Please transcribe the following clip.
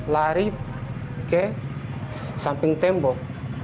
lari ke samping tembok